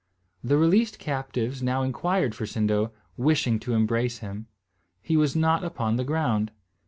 The released captives now inquired for Sindo, wishing to embrace him. He was not upon the ground.